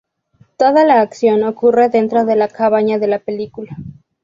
Toda la acción ocurre dentro de la cabaña de la película.